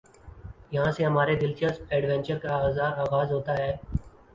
یہاں سے ہمارے دلچسپ ایڈونچر کا آغاز ہوتا ہے ۔